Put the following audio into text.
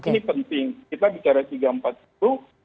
ini penting kita bicara c empat puluh